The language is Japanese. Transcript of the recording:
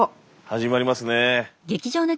始まりますね。